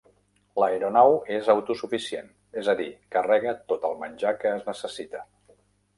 L'aeronau és autosuficient; és a dir, carrega tot el menjar que es necessita.